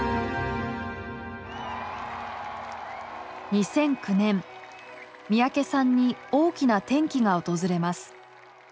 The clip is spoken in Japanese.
２００９年三宅さんに大きな転機が訪れます。